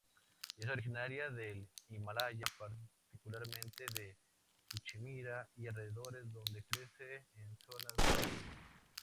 Es originaria del Himalaya, particularmente de Cachemira y alrededores, donde crece en zonas montañosas.